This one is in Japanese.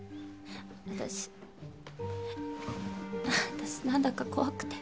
私私何だか怖くて。